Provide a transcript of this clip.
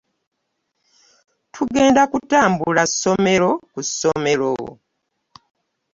Tugenda kutambula ssomero ku ssomero.